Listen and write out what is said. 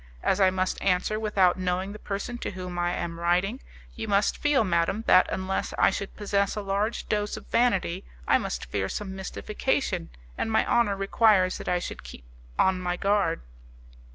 As I must answer without knowing the person to whom I am writing, you must feel, madam, that, unless I should possess a large dose of vanity, I must fear some mystification, and my honour requires that I should keep on my guard.